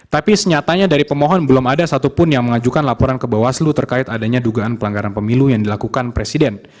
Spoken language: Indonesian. tapi senyatanya dari pemohon belum ada satupun yang mengajukan laporan ke bawaslu terkait adanya dugaan pelanggaran pemilu yang dilakukan presiden